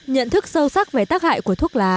nhận thức sâu sắc về tác hại của thuốc lá